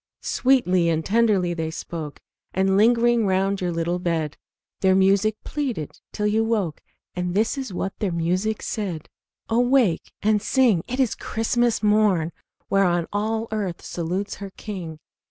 Sweetly and tenderly they spoke, And lingering round your little bed, Their music pleaded till you woke, And this is what their music said: "Awake and sing! 'tis Christmas morn, Whereon all earth salutes her King!